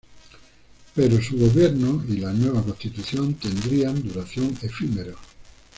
Pero su gobierno y la nueva Constitución tendrían duración efímera.